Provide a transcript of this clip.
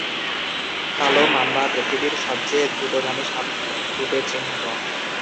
কালো মাম্বা পৃথিবীর সবচেয়ে দ্রুতগামী সাপ রূপে চিহ্নিত।